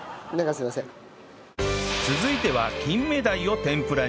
続いては金目鯛を天ぷらに